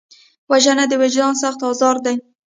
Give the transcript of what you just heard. وژنه د وجدان سخت ازار دی